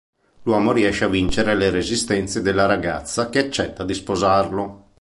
L'uomo riesce a vincere le resistenze della ragazza che accetta di sposarlo.